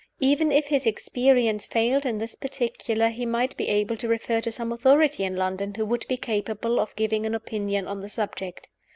Even if his experience failed in this particular, he might be able to refer to some authority in London who would be capable of giving an opinion on the subject.